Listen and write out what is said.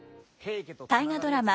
大河ドラマ